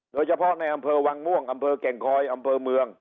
โดยเฉพาะในอำเภอวังม่วงอำเภอแก่งคอยอำเภอเมือง